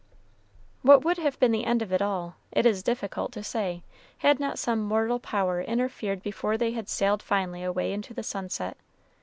What would have been the end of it all, it is difficult to say, had not some mortal power interfered before they had sailed finally away into the sunset.